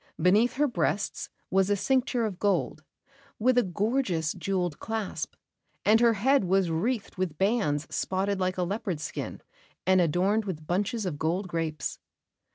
Beneath her breasts was a cincture of gold, with a gorgeous jewelled clasp; and her head was wreathed with bands spotted like a leopard's skin, and adorned with bunches of gold grapes.